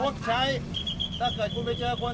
หัวเก้ยหัวใจหัวใจถ้าเกิดคุณไปเจอคน